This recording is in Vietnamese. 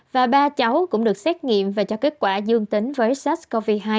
và ba cháu cũng được xét nghiệm và cho kết quả dương tính với sars cov hai